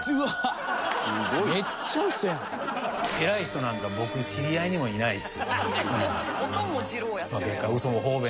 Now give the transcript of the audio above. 偉い人なんか僕知り合いにもいないし。